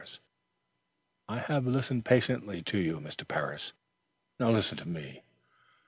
"I have listened patiently to you, Mr. Parris. Now listen to me.